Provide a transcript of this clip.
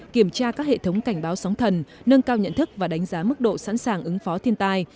kiểm tra các hệ thống cảnh báo sóng thần nâng cao nhận thức và đánh giá mức độ sẵn sàng ứng phó thiên tai